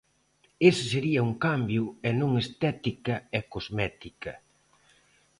Ese sería un cambio e non estética e cosmética.